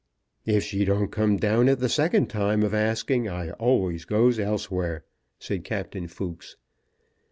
"If she don't come at the second time of asking I always go elsewhere," said Captain Fooks.